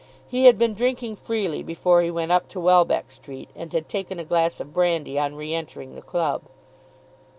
He had been drinking freely before he went up to Welbeck Street, and had taken a glass of brandy on re entering the club.